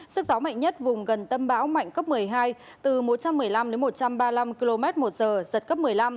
sức gió mạnh nhất vùng gần tâm bão mạnh cấp một mươi hai từ một trăm một mươi năm đến một trăm ba mươi năm km một giờ giật cấp một mươi năm